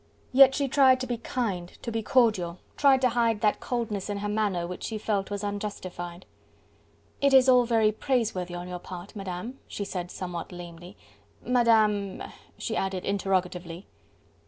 Yet she tried to be kind and to be cordial, tried to hide that coldness in her manner which she felt was unjustified. "It is all very praiseworthy on your part, Madame," she said somewhat lamely. "Madame...?" she added interrogatively.